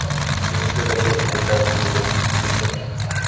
Tumbukiza viazi vikavu ulivyovifunika